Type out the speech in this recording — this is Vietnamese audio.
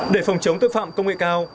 để phòng chống tội phạm công nghệ cao